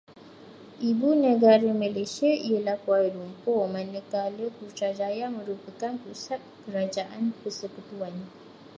Ibu negara Malaysia ialah Kuala Lumpur, manakala Putrajaya merupakan pusat kerajaan persekutuan.